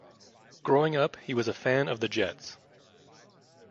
Growing up, he was a fan of the Jets.